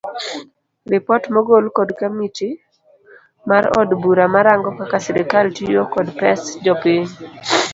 Ripot mogol kod kamiti mar od bura marango kaka sirikal tiyo kod pes jopiny